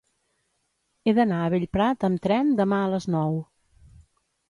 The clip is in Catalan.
He d'anar a Bellprat amb tren demà a les nou.